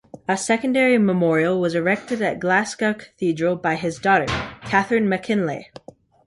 A secondary memorial was erected in Glasgow Cathedral by his daughter, Katherine MacKinlay.